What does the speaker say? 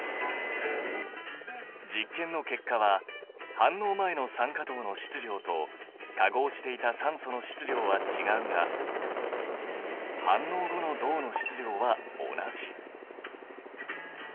実験の結果は反応前の酸化銅の質量と化合していた酸素の質量は違うが反応後の銅の質量は同じ。